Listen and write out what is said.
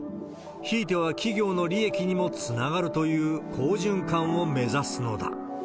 ひいては企業の利益にもつながるという好循環を目指すのだ。